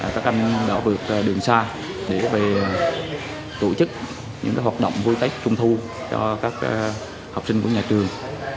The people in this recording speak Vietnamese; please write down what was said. các anh đã vượt đường xa để về tổ chức những hoạt động vui tết trung thu cho các học sinh của nhà trường